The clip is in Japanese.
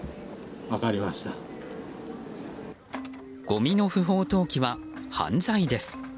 ごみの不法投棄は犯罪です。